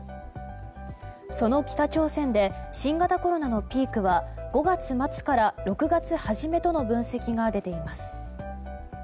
その北朝鮮で新型コロナのピークは５月末から６月初めとの分析が出ています。